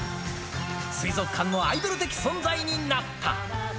水族館のアイドル的存在になった。